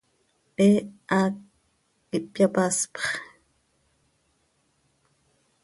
He haac ihpyapaspx.